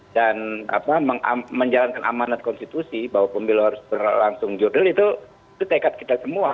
dan apa menjalankan amanat konstitusi bahwa pemilu harus berlangsung jodoh itu tekad kita semua